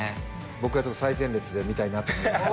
僕は最前列で見たいなと思います。